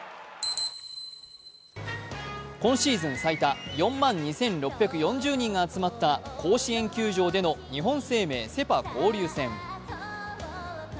今シーズン最多、４万２６４０人が集まった甲子園球場での日本生命セ・パ交流戦。